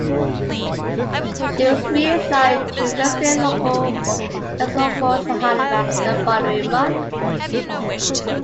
She was reassigned to the Western Local Escort Force at Halifax the following month.